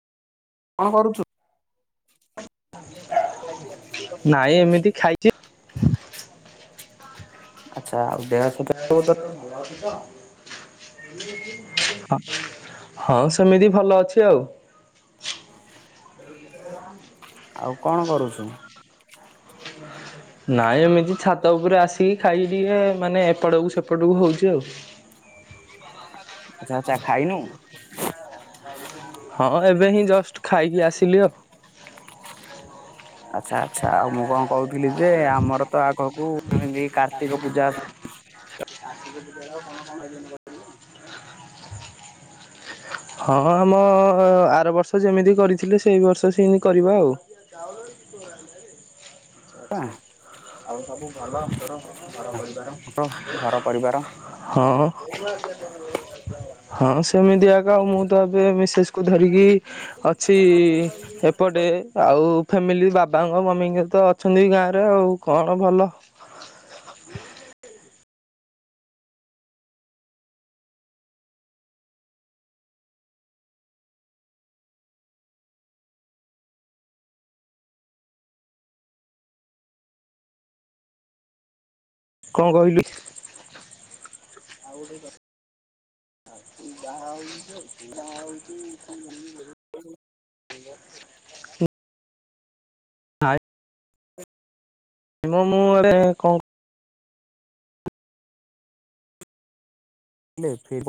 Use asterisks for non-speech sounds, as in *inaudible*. କଣ କରୁଛୁ? ନାଇଁ ଏମିତି ଖାଇଛି ଆଛା ଆଉ ଦେହ କେ ଭଲ ଅଛି ତ ହଁ ସେମିତି ଭଲ ଅଛି ଆଉ। ଆଉ କଣ କରୁଛୁ? ନାଇଁ ଏମିତି ଛାତ ଉପରେ ଆସିକି ଖାଇକି ଟିକେ ମାନେ ଏପଟକୁ ସେପଟକୁ ହଉଛି ଆଉ। ଆଛା ଆଛା ଖାଇନୁ? ହଁ ଏବେ ହିଁ ଜଷ୍ଟ ଖାଇକି ଆସିଲି ଆଉ। ଆଛା ଆଚ୍ଛା ଆଉ ମୁଁ କଣ କହୁଥିଲି ଯେ ଆମର ତ ଆଗକୁ *unintelligible* *unintelligible* *inaudible* ପୂଜା ହଁ ଆମ ଆର ବର୍ଷ ଯେମିତି କରିଥିଲେ ସେଇ ବର୍ଷ ସେମତି କରିବା ଆଉ। ଚାଉଳରେ ଚିତଉ ବାଢିଲାରେ ଆଁ ଆଉ ସବୁ ଭଲ ତୋର ଘର ପରିବାର? *inaudible* ଘର ହଁ, ହଁ ସେମିତିଆକା ମୁଁ ତ ଏବେ ମିସେସ୍ କୁ ଧରିକି ଅଛି ଏପଟେ, ଆଉ ଫ୍ୟାମିଲି ବାବାଙ୍କ ମମିଙ୍କ ତ ଅଛନ୍ତି ଗାଁରେ ଆଉ କଣ ଭଲ। କଣ କହିଲି *unintelligible* ହୁ ଯାଉ ହଉଚି ହଉ ଯାହା ହଉଚି *unintelligible* *unintelligible* *inaudible* ଆଏ *unintelligible* ନେ ଫିିବ